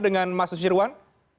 dengan mas susirwan